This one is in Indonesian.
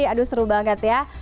aduh seru banget ya